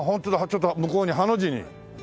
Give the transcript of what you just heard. ちょっと向こうにハの字に。